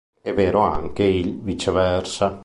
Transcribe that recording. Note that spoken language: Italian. È vero anche il viceversa.